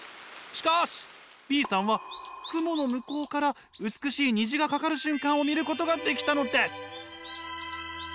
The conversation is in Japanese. しかしＢさんは雲の向こうから美しい虹がかかる瞬間を見ることができたのです。